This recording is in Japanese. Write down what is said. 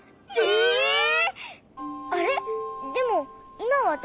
えっ？